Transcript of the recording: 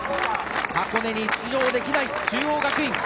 箱根に出場できない中央学院。